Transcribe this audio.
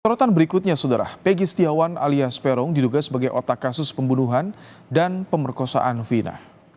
sorotan berikutnya saudara pegi setiawan alias peron diduga sebagai otak kasus pembunuhan dan pemerkosaan vina